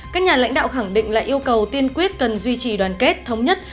các nhà lãnh đạo khẳng định lại yêu cầu tiên quyết cần duy trì đoàn kết thống nhất